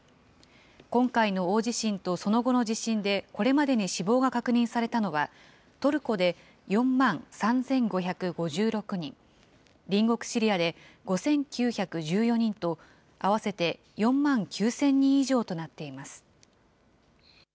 今回の大地震とその後の地震でこれまでに死亡が確認されたのは、トルコで４万３５５６人、隣国シリアで５９１４人と、合わせて４万９０００人以上となっています。